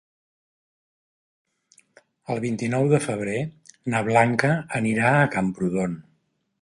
El vint-i-nou de febrer na Blanca anirà a Camprodon.